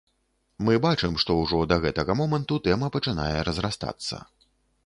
Мы бачым, што ўжо да гэтага моманту тэма пачынае разрастацца.